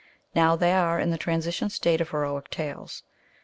Now they are in the transition state of heroic tales.